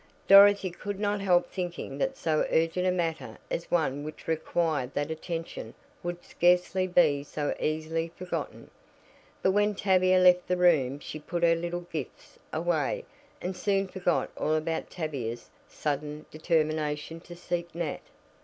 Dorothy could not help thinking that so urgent a matter as one which required that attention would scarcely be so easily forgotten, but when Tavia left the room she put her little gifts away and soon forgot all about Tavia's sudden determination to seek Nat.